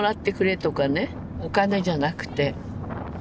お金じゃなくて。